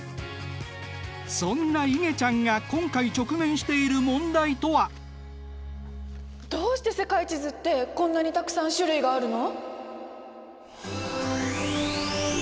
そんないげちゃんが今回直面している問題とは？どうして世界地図ってこんなにたくさん種類があるの！？